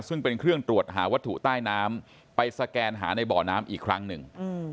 ซึ่งเป็นเครื่องตรวจหาวัตถุใต้น้ำไปสแกนหาในบ่อน้ำอีกครั้งหนึ่ง